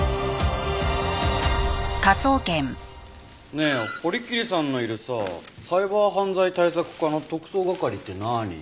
ねえ堀切さんのいるさサイバー犯罪対策課の特捜係ってなあに？